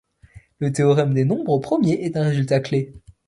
Le théorème des nombres premiers est un résultat clé.